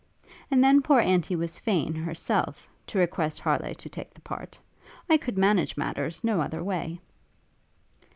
And then poor aunty was fain, herself, to request Harleigh to take the part. I could manage matters no other way.'